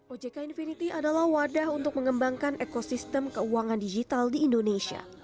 ojk infinity adalah wadah untuk mengembangkan ekosistem keuangan digital di indonesia